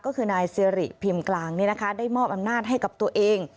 ก็คือนายสิริพิมพ์กลางได้มอบอำนาจให้กับตัวเอง